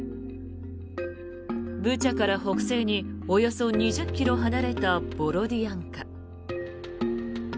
ブチャから北西におよそ２０ｋｍ離れたボロディアンカ。